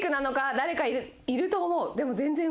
誰かいると思う。